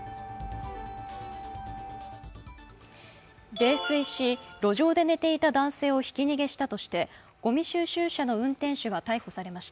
泥酔し路上で寝ていた男性をひき逃げしたとして、ごみ収集車の運転手が逮捕されました。